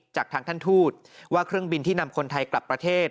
จากทางท่านทูตว่าเครื่องบินที่นำคนไทยกลับประเทศ